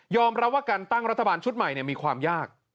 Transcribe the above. รับว่าการตั้งรัฐบาลชุดใหม่มีความยาก